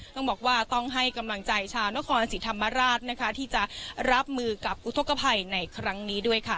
ต้องบอกว่าต้องให้กำลังใจชาวนครศรีธรรมราชนะคะที่จะรับมือกับอุทธกภัยในครั้งนี้ด้วยค่ะ